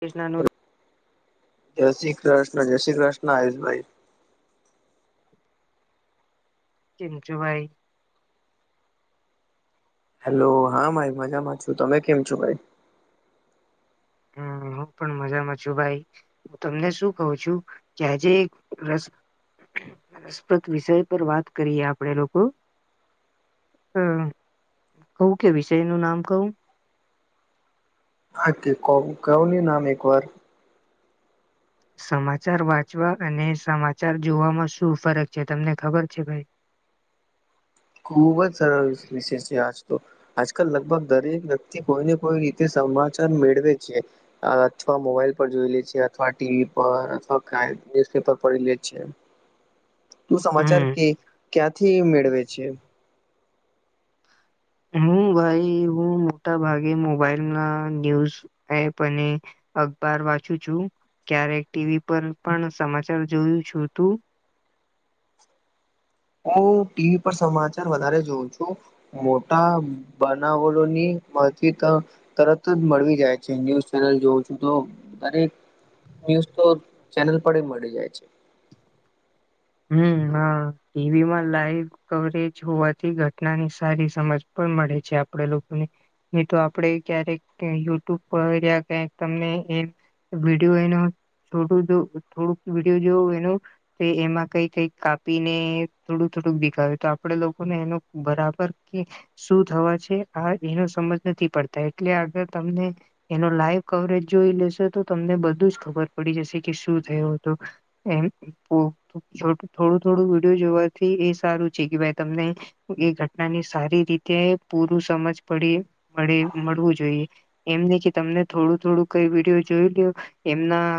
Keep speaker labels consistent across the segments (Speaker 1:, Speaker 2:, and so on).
Speaker 1: કૃષ્ન
Speaker 2: જય શ્રી કૃષ્ણ, જય શ્રી કૃષ્ણ આયુષભાઈ.
Speaker 1: ચિંચુભાઈ
Speaker 2: હેલો, હા ભાઈ મજામાં છું, તમે કેમ છો ભાઈ.
Speaker 1: હમ, હું પણ મજામાં છું ભાઈ. હું તમને શું કઉ છું, કે આજે એક રસ રસપ્રદ વિષય પર વાત કરીએ આપડે લોકો હમ, કવું કે વિષય નું નામ કવું
Speaker 2: હાકે ક કવની નામ એક વાર
Speaker 1: સમાચાર વાંચવા અને, સમાચાર જોવાવામાં શું ફરક છે તમને ખબર છે, ભાઈ
Speaker 2: ખૂબ જ સરળ વિષય છે, આજ તો આજકાલ લગભગ દરેક વ્યક્તિ કોઈને કોઈ રીતે સમાચાર મેળવે છે. અથવા મોબાઈલ પર જોઈ લે છે, અથવા ટીવી પર અથવા ક ન્યુઝપેપર પ લે છે.
Speaker 1: [unintelligible]
Speaker 2: તું સમાચાર કે
Speaker 1: હમ
Speaker 2: ક્યાંથી મેળવે છે.
Speaker 1: હું ભાઈ, હું મોટા ભાગે મોબાઈલમાં ન્યૂઝ હ પણ અખબાર વાંચું છું. ક્યારેક ટીવી પર પણ સમાચાર જોયું છું, તું
Speaker 2: હું, ટીવી પર સમાચાર વધારે જોઉં છું. મોટા બનાવલોની થી, તો તરત જ મળવી જાય છે, ન્યુઝ ચેનલ જોઉં છું તો દરેક ન્યૂઝ તો ચેનલ પર મળી જાય છે.
Speaker 1: હમ, હા ટીવી માં લાઈવ કવરેજ હોવાથી ઘટનાની સારી સમજ પણ મળે છે, આપડ લોકોને એ તો, આપડે ક્યારેક યુટ્યુબ પર્યા ક તમને એમ વિડીયો એનું છોટું જો થોડુંક વિડીયો જોવ એનું તો એમાં કઈ, કઈ કાપીને થોડું, થોડું ભીગાવ્યું તો આપડે લોકોને એનો બરાબર કે શું થવા છે, આ એનો સમજ નથી પડતા એટલે, આગળ તમને એનો લાઈવ કવરેજ જોઈ લેશે તો, તમને બધું જ ખબર પડી જશે કે શું થું હતું. એમ થોડું થોડું વિડીિયો જોવાથી એ સારું છે, કે ભાઈ તમને એ ઘટના ની સારી રીતે પૂરું સમજ પડી મળે મળવું જોઈએ એમ નહી કે તમને થોડું થોડું કઈ વિડીયો જોઈ લ્યો એમના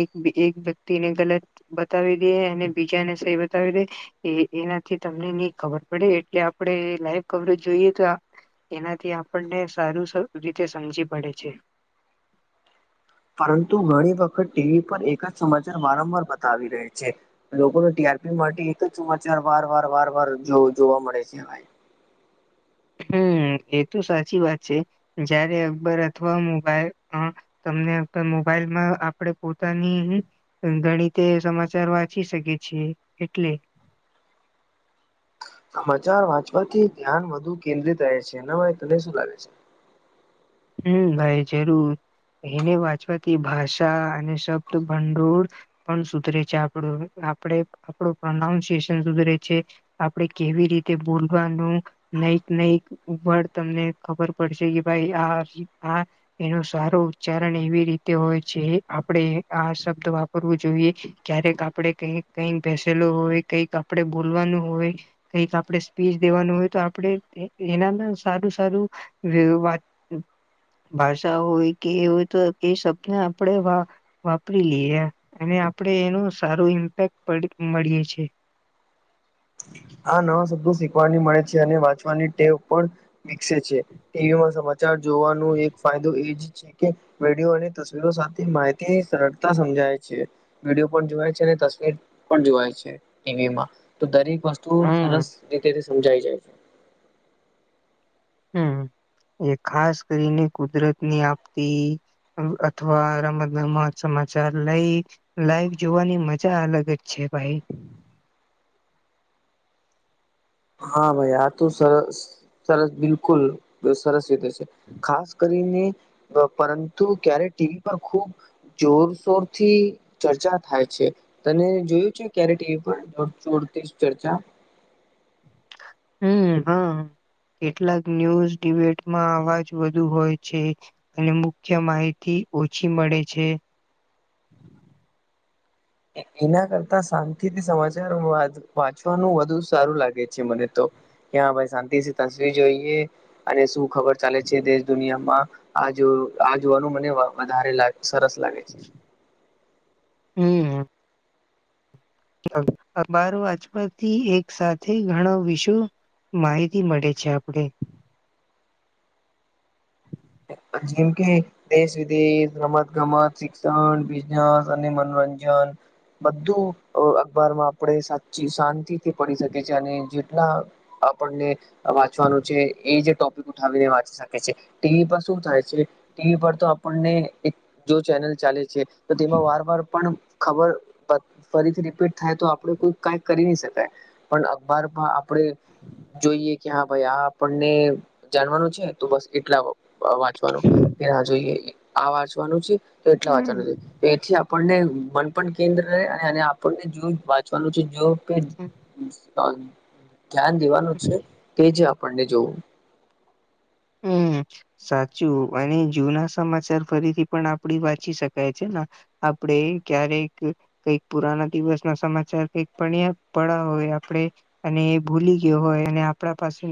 Speaker 1: એક એક વ્યક્તિને ગલત બતાવી દેએ ને બીજા ને સે બતાવી દે એ એનાથી તમને ની ખબર પડે એટલે આપણે લાઈવ કવરો જોઈએ તો આ એનાથી આપણને સારું રીતે સમજી પડે છે
Speaker 2: પરંતુ ઘણી વખત ટીવી પર એક જ સમાચાર વારંવાર બતાવી રહ્યા છે લોકોને ટીઆરપી માટે એક જ સમાચાર વાર વાર વાર વાર જોવા મળે છેાઈ
Speaker 1: હમ એ તો સાચી વાત છે જયારે અકબર અથવા મોબાઈલ તમને મોબાઈલમાં આપડે પોતાની ગણી તે સમાચાર વાંચી શકે છેી એટલે
Speaker 2: સમાચાર વાંચવાથી ધ્યાન વધુ કેન્દ્રિત રહે છે ન ભાઈ તને શું લાગે છે
Speaker 1: હમ ભાઈ જરૂર એને વાંચવાથી ભાષા અને શબ્દ ભંડોળ પણ સુધરે છે આપડું આપડ આપડું પ્રોનાઉન્સિએશન સુધરે છે આપણેે કેવી રીતે બોલવાનું નક નકર તમને ખબર પડશે કે ભાઈ આ આ એનું સારું ઉચ્ચારણ એવી રીતે હોય છે આપણે આ શબ્દ કરવું જોઈએ ક્યારેક આપડે કઈક કઈક બેસેલો હોય કઈક આપડે બોલવાનું હોય કઈક આપણે સ્પીચ દેવાનું હોય તો આપે એનામાં સારું સારું વાત ભાષા હોય કે એ હોય તો એ શબ્ને આપણેે વા વાપરી લઈએ અને આપણેે એનું સારું ઇમ્પેક્ટ મળીએ છીએ [inaudible]
Speaker 2: આ નવા શબ્દો શીખવાની મળે છે અને વાંચવાની ટેવ પણ વિકસે છે ટીવીમાં સમાચાર જોવાનો એક ફાયદો એજ કે વિડિયો અને તસવીરો સાથે માહિતી સરળતા સમજાય છે વિડીયો પણ જોવાય છે અને તસવીર પણ જોવાય છે ટીવી માં તો દરેક તો
Speaker 1: હમ
Speaker 2: સરસ રીતે તે સમજાઈ જાય છે
Speaker 1: હમ એ ખાસ કરીને કુદરતની આપતી અથવા રમત ગમત સમાચાર લઈ લાઈવ જોવાની મજા અલગ જ છે ભાઈ
Speaker 2: હા ભાઈ આ તો સરસ સરસ બિલકુલ સરસ રીતે ખાસ કરીને પરંતુ ક્યારે ટીવી પર ખુબ જોરશોર થી ચર્ચા થાય છે તને જોયું છે ક્યારે ટીવી પર જો જોડતી ચર્ચા
Speaker 1: હમ હા કેટલાક ન્યૂઝ ડિબેટમાં અવાજ વધુ હોય છે અને મુખ્ય માહિતી ઓછી મળે છે
Speaker 2: એના કરતા શાંતિથી સમાચાર હ વાજ વાંચવાનું વધુ સારું લાગે છે મને તો ક્યાં ભાઈ શાંતિ થી તસવીર જોઈએ અને શું ખબર ચાલે છે દેશ દુનિયામાં આ જો આ જોવાનું મને વધારે લાગે સરસ લાગે છે
Speaker 1: હમ બાર વાજપાથી એક સાથે ઘણ વિશવ માહિતી મળે છે આપણે
Speaker 2: જેમ કે દેશ વિદેશ રમત ગમત શિક્ષણ બિઝનેસ અને મનોરંજન બધું અખબારમાં આપણે સાચી શાંતિથી પડી શકી છે, અને જેટલા
Speaker 1: [unintelligible] [inaudible]
Speaker 2: આપણને વાંચવાનું છે, એ જે ટોપિક ઉઠાવીને વાંચી શકે છે, ટીવી પર શું થાય છે, ટીવી પર તો આપણને એ જો ચેનલ ચાલે છે, તો તેમાં વાર વાર પણ ખબર ફરીથી રીપીટ થાય તો આપડે કોઈ કઈ કરી નહી શકાય પણ અબાર પણ આપણેે જોઈએ કે હા ભાઈ આ આપણને જાણવાનું છે, તો બસ એટલા હો વ વાંચવાનું. ત્યાં જોઈએ આ વાંચવાનું છે, તે એટલા વાંચવાનું
Speaker 1: હમ્મ.
Speaker 2: છે. એથી આપણને મનપણ કેન્દ્ર રહે અને આપણને જો વાંચવાનું છે જો પેન [unintelligible] ધ્યાન દેવાનું છે, તેજ આપણને જોવું.
Speaker 1: હમ્મ. સાચું, અને જૂના સમાચાર ફરીથી પણ આપડી વાંચી શકાય છે ને? આપડે ક્યારેક કંઈક પુરાના દિવસ ના સમાચાર કઈક પણ્યા પડા હોય આપડે અને એ ભૂલી ગ્યો હોય અને આપણા પાસે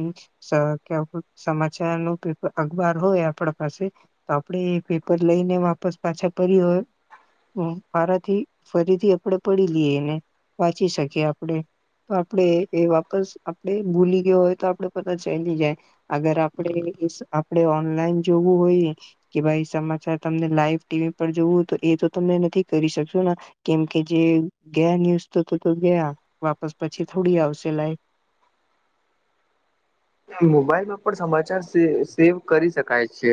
Speaker 1: સ ક્યાં કો સમા ચાર નુ પેપર, અખબાર હોય આપણા પાસે. તો આપડે એ પેપર લઈને વાપસ પાછા પર્યું હોય. ફારાથી ફરીથી આપણે પડી લીએને વાંચી શકીએ આપણેે. તો આપડે એ એ વાપસ આપડે ભૂલી ગયો હો તો આપડે પતા ચલી જાય, અગર આ આપડે એસ આપણે ઓનલાઈન જોવું હોય એ કે ભાઈ સમાચાર તમને લાઈવ ટી વી પર જોવું તું, એ તો તમે નથી કરી શકશો ને કેમ કે જે ગયા ન્યુઝ તો તો તો ગયા, વાપસ પછી થોડી આવશે લાય
Speaker 2: મોબાઈલમાં પણ સમાચાર સે સેવ કરી શકાય છે.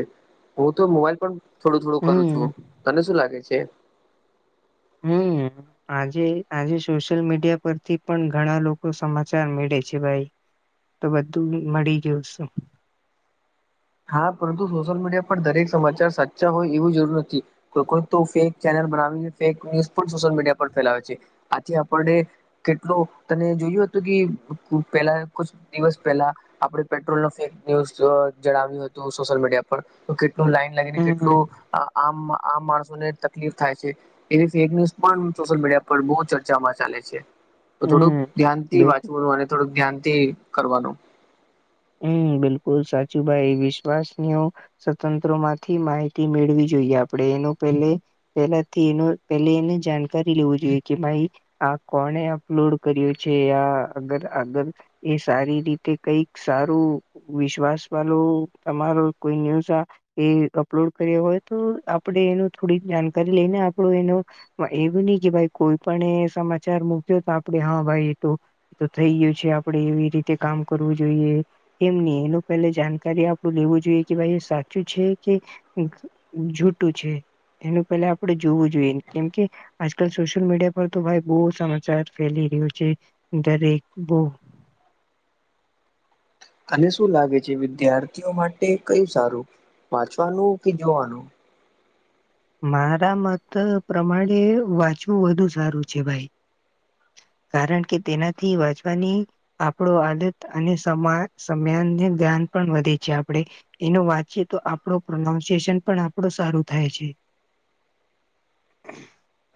Speaker 2: હું તો મોબાઈલ પણ થોડું થોડું કરું છું.
Speaker 1: હમ
Speaker 2: તને શું લાગે છે?
Speaker 1: હમ્મ. આજે આજે સોશિયલ મીડિયા પરથી પણ ઘણા લોકો સમાચાર મેળે છે ભાઈ. તો બધું મળી ગ્યું શું?
Speaker 2: હા, પરંતુ સોશિયલ મીડિયા પર દરેક સમાચાર સાચા હોય એવું જરૂર નથી. કોઈ કોઈક તો ફેક ચેનલ બનાવીને, ફેક ન્યૂઝ પણ સોશિયલ મીડિયા પર ફેલાવે છે. આથી આપડે કેટલું તને જોયું હતું કે પેલા કુછ દિવસ પેલા આપડે પેટ્રોલ નો ફેક ન્યૂઝ જોવા જણાવ્યું હતું સોશિયલ મીડિયા પર, તો કેટલું લાઈન લાગીને
Speaker 1: હમ
Speaker 2: કેટલું આમ આમ માણસોને તકલીફ થાય છે. એવી ફેક ન્યુઝ પણ, સોશિયલ મીડિયા પર બહુ ચર્ચામાં ચાલે છે. તો થોડુંક ધ્યાનથી વાંચવાનું અને થોડુંક ધ્યાનથી કરવાનું.
Speaker 1: હમ્મ, બિલકુલ સાચુ ભાઈ, વિશ્વાસ ની ઓ સ્વતંત્રો માંથી માહિતી મેળવી જોઈએ આપણે એનું પેલે પેલાથી એનો પેલે એને જાણકારી લેવું જોઈએ કે ભાઈ આ કોણે અપલોડ કર્યો છે, આ અગર આગળ, એ સારી રીતે કઈ સારું, વિશ્વાસ વાલુ તમારુ કોઈ ન્યુઝ આ એ અપલોડ કર્યો હોય તો આપણે એનું થોડીક જાણકારી લઈને આપણું એનો એવું નહી કે ભાઈ કોઈ પણ એ સમાચાર મૂક્યો તો આપે હા ભાઈ એ તું એ તો થઈ ગયું છે, આપડે એવી રીતે કામ કરવું જોઈએ. એમ ની, એનું પેહલે જાણકારી આપડું લેવું જોઈએ કે ભાઈ એ સાચું છે કે [unintelligible] જૂટું છે? એનું પેલા આપડે જોવું જોઈએ, કેમકે આજકાલ સોશિયલ મીડિયા પર તો ભાઈ બો સમાચાર ફેલી રહ્યુ છે, દરેક બઉ.
Speaker 2: અને શું લાગે છે, વિદ્યાર્થીઓ માટે કયું સારું? વાંચવાનું કે જોવાનું?
Speaker 1: મારા મત પ્રમાણે વાંચવું વધુ સારું છે ભાઈ. કારણ કે તેનાથી વાંચવાની આપણો આદત અને સમા સમ્યાનને ધ્યાન પણ વધે છે આપણેે. એનો વાંચીએ તો આપડો પ્રોનાઉન્શિએશન પણ આપડું સારું થાય છે.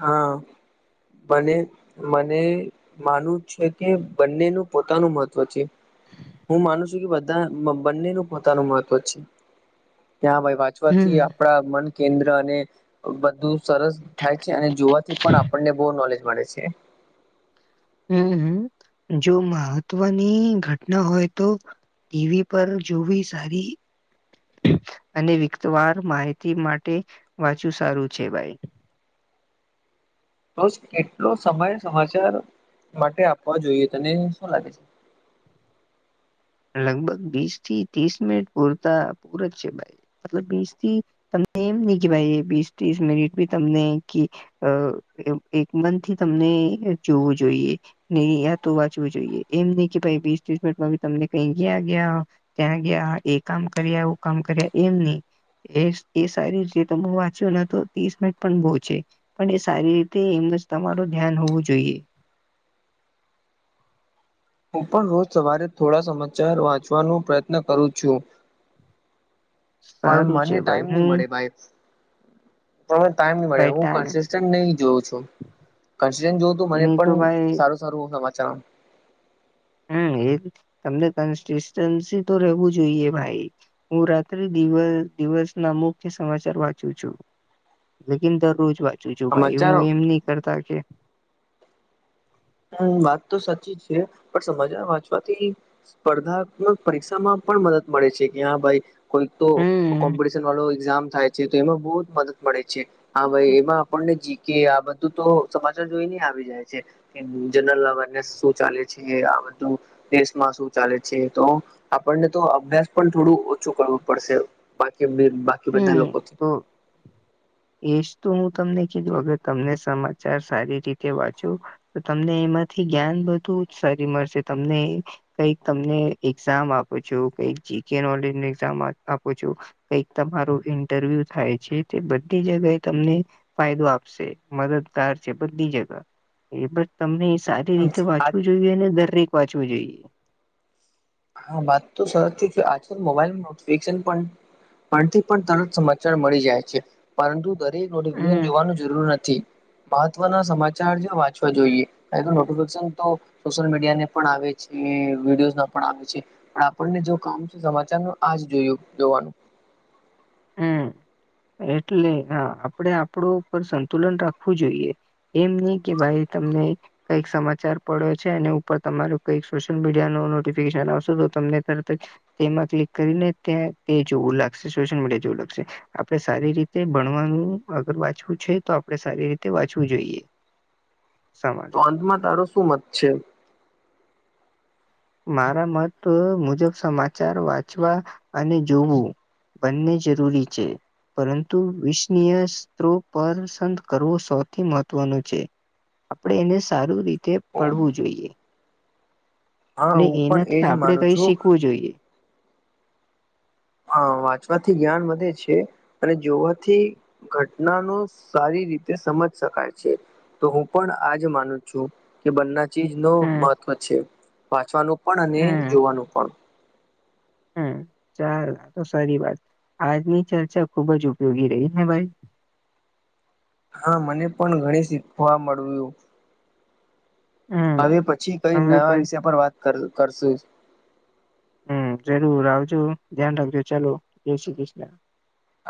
Speaker 2: હા, બને મને માનવું છે કે બંનેનું પોતાનું મહત્વ છે. હું માનું છું કે બધા બ બંનેનું પોતાનું મહત્વ છે, ત્યાં ભાઈ વા
Speaker 1: હમ
Speaker 2: [unintelligible] આપણા મન કેન્દ્ર અને બધું સરસ થાય અને જોવાથી પણ આપણને બહુ નોલેજ મળે છે.
Speaker 1: હમ્મ જો મહત્વની ઘટના હોય તો ટીવી પર જોવી સારી અને વિગતવાર માહિતી માટે વાંચવું સારું છે ભાઈ.
Speaker 2: તો કેટલો સમય સમાચાર માટે આપવા જોઈએ તને શું લાગે છે?
Speaker 1: લગભગ વીસ થી ત્રીસ મિનિટ પૂરતા પૂર જ છે ભાઈ. મતલબ બીસ થી તમને એમ નહિ કે ભાઈ બીસ ત્રીસ મિનિટ ભી તમને કે અ એક મનથી તમને જોવું જોઈએ. નહી આ તો વાંચવું જોઈએ એમ નહિ કે ભાઈ વીસ ત્રીસ મિનટમાં તમને કઈ ગયા ત્યાં ગયા એ કામ કર્યા એ કામ કર્યા એમ નહી એ એ સારી રીતે વાંચ્યો ને તો ત્રીસ મિનિટ પણ બહુ છે. પણ એ સારી રીતે એમ જ તમારું ધ્યાન હોવું જોઈએ.
Speaker 2: હું પણ રોજ સવારે થોડા સમાચાર વાંચવાનો પ્રયત્ન કરું છું. પણ
Speaker 1: સારું
Speaker 2: મને
Speaker 1: છે ભાઈ
Speaker 2: ટાઈમ નહી
Speaker 1: હું
Speaker 2: મળે ભાઈ. થોડો ટાઈમ ન મળે
Speaker 1: ભાઈ
Speaker 2: હું
Speaker 1: ટાઈમ
Speaker 2: કન્સસ્ટન્ટ નહી જોઉં છું. કસે જોવું તું મને
Speaker 1: નહી તો
Speaker 2: પણ
Speaker 1: ભાઈ
Speaker 2: સારું સારું સમાચારમાં
Speaker 1: હમ્મ એ તમને કન્સિસ્ટન્સી તો રહેવું જોઈએ ભાઈ. હું રાત્રિ દિવ દિવસ ના મુખ્ય સમાચાર વાંચું છું. લેકિન દરરોજ વાંચું છું ભાઈ
Speaker 2: સમાચાર
Speaker 1: હું એમ નહી કરતા કે
Speaker 2: હમ્મ વાત તો સાચી છે પણ સમાચાર વાંચવાથી સ્પર્ધાત્મક પરીક્ષામાં પણ મદદ મળે છે, કે હા ભાઈ કોઈ તો
Speaker 1: હમ
Speaker 2: કોમ્પિટશન વાળો એક્ઝામ થાય છે તો એમાં બહુ જ મદદ મળે છે હા ભાઈ એમાં આપણને જીકે આ બધું તો સમાચાર જોઈને આવી જાય છે. કે જનરલ [unintelligible] શું ચાલે છે આ બધું. દેશમાં શું ચાલે છે, તો આપણને તો અભ્યાસ પણ થોડું ઓછું કરવું પડશે. બાકી બાકી બધા
Speaker 1: હમ
Speaker 2: લોકો
Speaker 1: તો એજ તો હું તમને કીધું અગર તમને સમાચાર સારી રીતે વાંચું તો તમને એમાંથી જ્ઞાન બધુ સારી મળશે તમને કઈક તમને એઝામ આપો છો કઈક જીકે નોલેજ એઝામ આપો છો- તમારો ઇન્ટરવ્યુ થાય છે તે બધી જગ્યાએ તમને ફાયદો આપશે મદદગાર છે બધી જગ્યા એ બધી તમને સારી રીતે
Speaker 2: આ
Speaker 1: વાંચવું જોઈએ ને દરેક વાંચવું જોઈએ.
Speaker 2: હા વાત તો સાચી છે આજકાલ મોબાઈલ નોટિફિકેશન પણ પણથી પણ તરત સમાચાર મળી જાય છે. પરંતુ દરેક નોટિફિકેશન
Speaker 1: હમ
Speaker 2: જોવાનું જરૂર નથી મહત્વના સમાચાર વાંચવા વાંચવા જોઈએ એનું નોટિફિકેશન તો સોશયલ મીડિયા ને પણ આવે છે, વિડીયો પણ આવે છે પણ આપણને જો કામ છે સમાચાર નો આજ જોયું જોવાનું
Speaker 1: હમ્મ એટલે હા આપડે આપડો ઉપર સંતુલન રાખવું જોઈએવ એમ નહી કે ભાઈ તમને કઈક સમાચાર પડ્યો છે એ ઉપર તમારું કઈક સોશિયલ મીડિયા નુ નોટિફિકેશન આવશે તો તમને તરત જ તેમાં ક્લિક કરીને ત્યાં તે જોવું લાગશે સોશિયલ મીડિયા જેવું લાગશે. આપડે સારી રીતે ભણવાનું અગર વાંચવું છે તો આપણે સારી રીતે વાંચવું જોઈએ. [unintelligible]
Speaker 2: [unintelligible] તારો શું મત છે
Speaker 1: મારા મત મુજબ સમાચાર વાંચવા અને જોવું બંને જરૂરી છે. પરંતુ વિશનીય સ્ત્રો પસંદ કરવો સૌથી મહત્વનું છે. આપણેે એને સારું રીતે પડવું જોઈએ.
Speaker 2: હા
Speaker 1: ને
Speaker 2: હું પણ એજ
Speaker 1: એનાથી આપડે
Speaker 2: માનું
Speaker 1: કઈ
Speaker 2: છું
Speaker 1: શીખવું જોઈએ.
Speaker 2: હા વાંચવાથી જ્ઞાન વધે છે અને જોવાથી ઘટના નો સારી રીતે સમજ શકાય છે. તો હું પણ આજ માનું છું. કે બંના ચીજ નુ
Speaker 1: હમ
Speaker 2: મહત્વ છે વાંચવાનું પણ અને
Speaker 1: હમ
Speaker 2: જોવાનું પણ
Speaker 1: હમ ચાલ તો સારી વાત આજની ચર્ચા ખુબ જ ઉપયોગી રહી હે ભાઈ.
Speaker 2: હા મને પણ ઘણી શીખવા મળ્યું.
Speaker 1: હમ
Speaker 2: હવે પછી કઈ
Speaker 1: હવે
Speaker 2: નવા
Speaker 1: પણ
Speaker 2: વિષય પર વાત કર કરશું.
Speaker 1: હમ જરૂર આવજો ધ્યાન રાખજો ચાલો જય શ્રી કૃષ્ણ.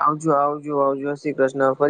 Speaker 2: આવજો આવજો આવજો શ્રીકૃષ્ણ ફરી.